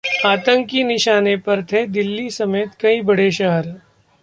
आतंकी निशाने पर थे दिल्ली समेत कई बड़े शहर